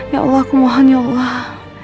ya allah aku mohon ya allah